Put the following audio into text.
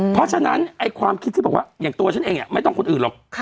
เพราะฉะนั้นความคิดที่บอกว่าอย่างตัวฉันเองไม่ต้องคนอื่นหรอก